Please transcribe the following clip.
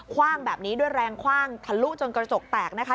คว่างแบบนี้ด้วยแรงคว่างทะลุจนกระจกแตกนะคะ